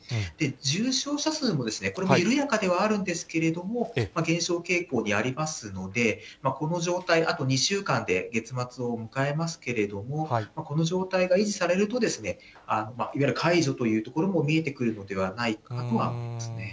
重症者数も、これも緩やかではあるんですけれども、減少傾向にありますので、この状態、あと２週間で月末を迎えますけれども、この状態が維持されると、いわゆる解除というところも見えてくるのではないかなとは思いま